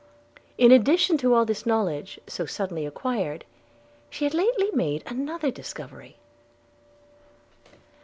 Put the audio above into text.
In addition to all this knowledge, so suddenly acquired, she had lately made another discovery.